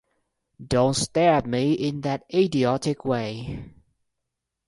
Don't stare at me in that idiotic way.